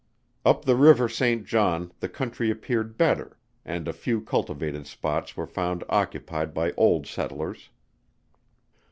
Up the River Saint John the country appeared better, and a few cultivated spots were found occupied by old settlers.